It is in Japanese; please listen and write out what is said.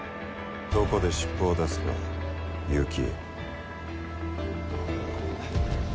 どこで尻尾を出すか結城。